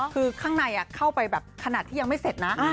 คือข้างในเข้าไปแบบขนาดที่ยังไม่เสร็จนะ